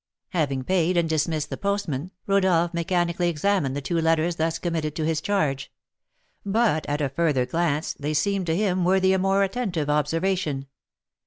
Having paid and dismissed the postman, Rodolph mechanically examined the two letters thus committed to his charge; but at a further glance they seemed to him worthy a more attentive observation.